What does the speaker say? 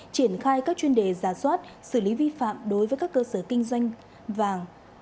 triển khai các chuyên đề giả soát xử lý vi phạm đối với các cơ sở kinh doanh vàng